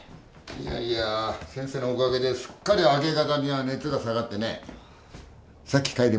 いやいや先生のおかげですっかり明け方には熱が下がってねさっき帰りました。